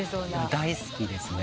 大好きですね。